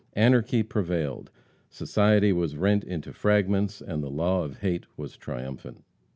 Anarchy prevailed. Society was rent into fragments and the law of hate was triumphant.